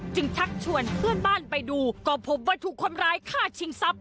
ชักชวนเพื่อนบ้านไปดูก็พบว่าถูกคนร้ายฆ่าชิงทรัพย